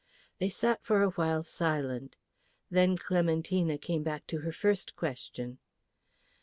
They sat for awhile silent. Then Clementina came back to her first question.